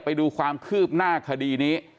ไปดูความคืบหน้าคดีนี้